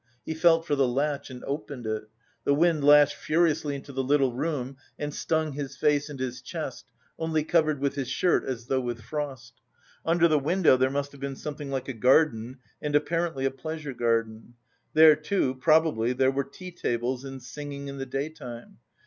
He felt for the latch and opened it. The wind lashed furiously into the little room and stung his face and his chest, only covered with his shirt, as though with frost. Under the window there must have been something like a garden, and apparently a pleasure garden. There, too, probably there were tea tables and singing in the daytime.